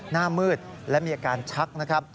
หน้ามืดและมีอาการชักนะครับ